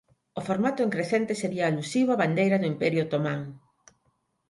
O formato en crecente sería alusivo á bandeira do Imperio Otomán.